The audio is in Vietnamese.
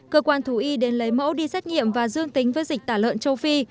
cơ quan thú y đến lấy mẫu đi xét nghiệm và dương tính với dịch tả lợn châu phi